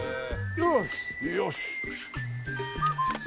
よし！